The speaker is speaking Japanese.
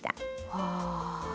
ああ。